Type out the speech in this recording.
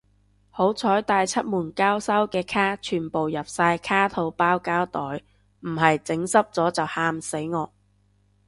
好彩帶出門交收嘅卡全部入晒卡套包膠袋，唔係整濕咗就喊死我